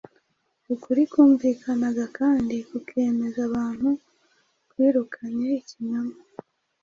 Ukuri kumvikanaga kandi kukemeza abantu kwirukanye ikinyoma.